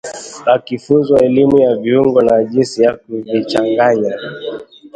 akifunzwa elimu ya viungo na jinsi ya kuvichanganya